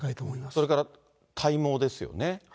それから体毛ですよね。